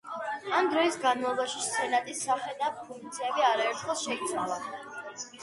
ამ დროის განმავლობაში სენატის სახე და ფუნქციები არაერთხელ შეიცვალა.